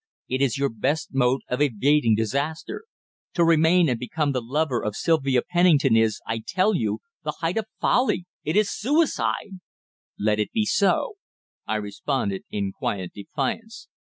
It is your best mode of evading disaster. To remain and become the lover of Sylvia Pennington is, I tell you, the height of folly it is suicide!" "Let it be so," I responded in quiet defiance.